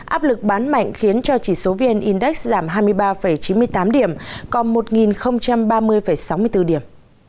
áp lực bán mạnh khiến cho chỉ số vn index giảm hai mươi ba chín mươi tám điểm còn một ba mươi sáu mươi bốn điểm